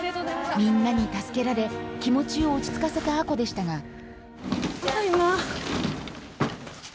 みんなに助けられ気持ちを落ち着かせた亜子でしたがただいま。